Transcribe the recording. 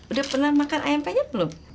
udah pernah makan ayam penya belum